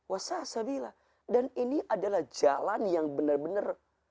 wasaa sabiila dan ini adalah jalan yang benar benar